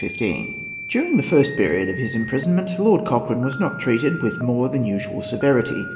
[1814 1815.] During the first period of his imprisonment Lord Cochrane was not treated with more than usual severity.